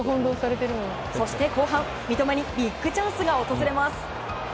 そして、後半三笘にビッグチャンスが訪れます。